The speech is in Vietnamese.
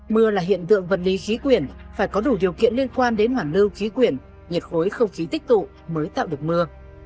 mưa là hiện tượng vật lý khí quyển phải có đủ điều kiện liên quan đến hoảng lưu khí quyển nhiệt khối không khí tích tụ mới tạo được mưa